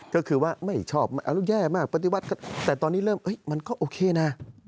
ก็คือว่าไม่ชอบแย่มากปฏิวัติแต่ตอนนี้เริ่มมันก็โอเคนะ